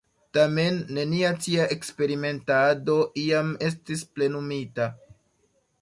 Tamen, nenia tia eksperimentado iam estis plenumita.